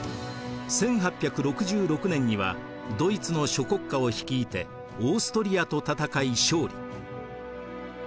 １８６６年にはドイツの諸国家を率いてオーストリアと戦い勝利。